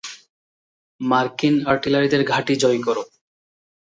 মার্কিন আর্টিলারিদের ঘাঁটি জয় করো।